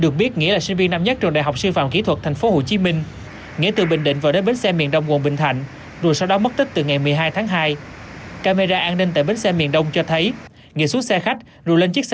chính là nam sinh viên vừa từ bình định vào tới bến xe miền đông quận binh thành thành phố hồ chí minh đón xe ôm rời bến rồi mất tích